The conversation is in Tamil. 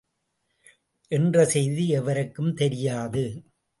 என்ற செய்தி எவருக்கும் தெரியாது.